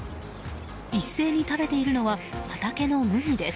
一斉に食べているのは畑の麦です。